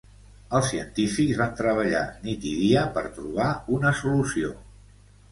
Els científics van treballar nit i dia per trobar una solució.